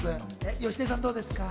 芳根さんはどうですか？